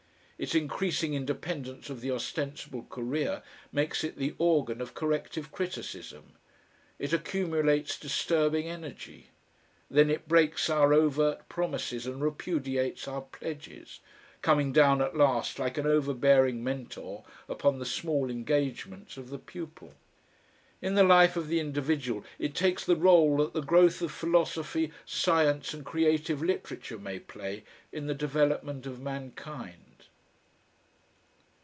Its increasing independence of the ostensible career makes it the organ of corrective criticism; it accumulates disturbing energy. Then it breaks our overt promises and repudiates our pledges, coming down at last like an overbearing mentor upon the small engagements of the pupil. In the life of the individual it takes the role that the growth of philosophy, science, and creative literature may play in the development of mankind.